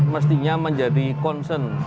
mestinya menjadi concern